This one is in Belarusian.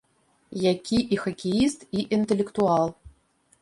Які і хакеіст, і інтэлектуал.